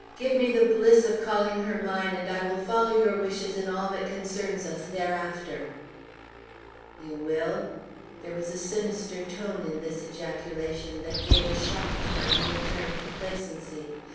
"Give me the bliss of calling her mine, and I will follow your wishes in all that concerns us thereafter." "You will?" There was a sinister tone in this ejaculation that gave a shock to my momentary complacency.